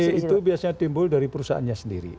jadi ide itu biasanya timbul dari perusahaannya sendiri